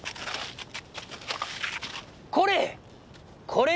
これ！